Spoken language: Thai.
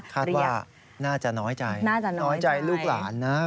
คาดว่าน่าจะน้อยใจน่าจะน้อยใจลูกหลานนะ